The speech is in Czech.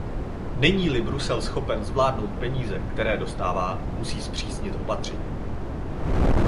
Není-li Brusel schopen zvládnout peníze, které dostává, musí zpřísnit opatření.